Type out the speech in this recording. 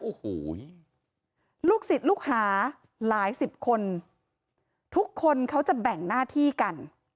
โอ้โหลูกศิษย์ลูกหาหลายสิบคนทุกคนเขาจะแบ่งหน้าที่กัน